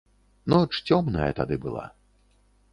Ноч цёмная тады была.